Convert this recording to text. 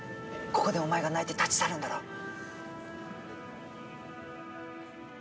ここでお前が泣いて立ち去るんだろ？